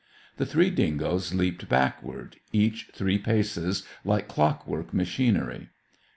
The three dingoes leaped backward, each three paces, like clockwork machinery.